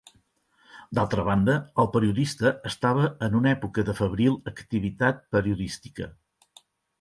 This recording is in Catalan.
D'altra banda, el periodista estava en una època de febril activitat periodística.